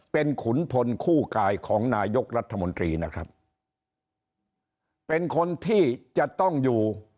เป็นขุนพลคู่กายของนายกรัฐมนตรีนะครับเป็นคนที่จะต้องอยู่